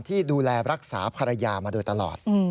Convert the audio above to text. ที่ดูแลรักษาภรรยามาโดยตลอด